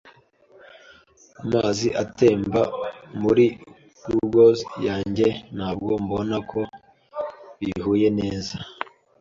Amazi atemba muri goggles yanjye. Ntabwo mbona ko bihuye neza.